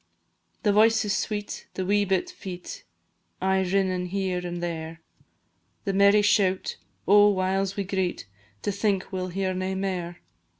The voices sweet, the wee bit feet Aye rinnin' here and there, The merry shout oh! whiles we greet To think we 'll hear nae mair.